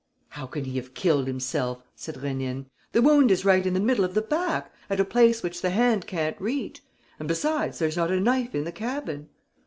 "How can he have killed himself?" said Rénine. "The wound is right in the middle of the back, at a place which the hand can't reach. And, besides, there's not a knife in the cabin."